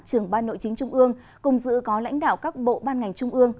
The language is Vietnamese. trưởng ban nội chính trung ương cùng dự có lãnh đạo các bộ ban ngành trung ương